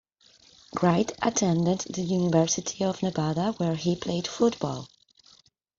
Wright attended the University of Nevada where he played football.